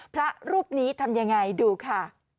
พระรูปนี้ทำยังไงดูค่ะ